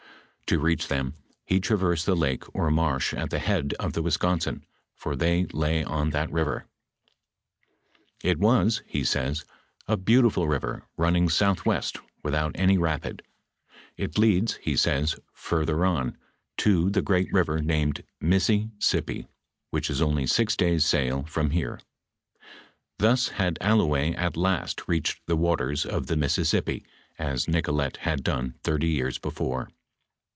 To reach them, he traversed the lake or marsh at the head of the Wisconsin, for they lay on that river. " It was," he says, " a beautiful river running southwest without any rapid. It leads," he says, further on, "to the great river named Messi sipi, which is only six days' sail from here.*' Thus had Allouez at last reached the waters of the Missis sippi, as Nicolet had done thirty years before.